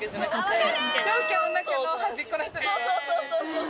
そうそうそう。